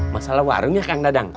masalah warungnya kang dadang